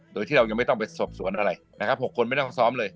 โดยที่เรายังไม่ต้องไปสอบสวนอะไรนะครับ๖คนไม่ต้องซ้อมเลย